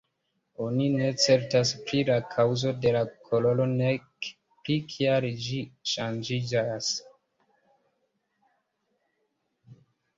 Oni ne certas pri la kaŭzo de la koloro nek pri kial ĝi ŝanĝiĝas.